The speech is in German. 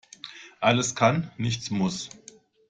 Alles kann, nichts muss.